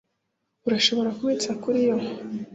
urashobora kubitsa kuriyo